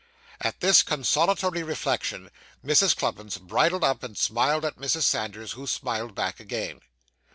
At this consolatory reflection, Mrs. Cluppins bridled up, and smiled at Mrs. Sanders, who smiled back again.